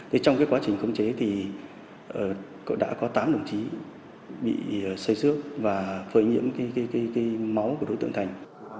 thế trong cái quá trình khống chế thì đã có tám đồng chí bị xây xước và phơi nhiễm cái máu của đối tượng thành